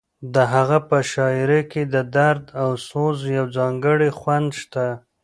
د هغه په شاعرۍ کې د درد او سوز یو ځانګړی خوند شته.